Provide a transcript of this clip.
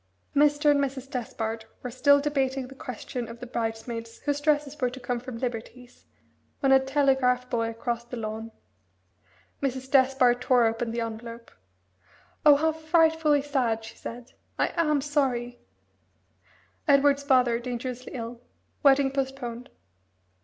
Mr. and Mrs. Despard were still debating the question of the bridesmaids whose dresses were to come from Liberty's when a telegraph boy crossed the lawn. Mrs. Despard tore open the envelope. "Oh how frightfully sad!" she said. "I am sorry! 'Edward's father dangerously ill. Wedding postponed.'"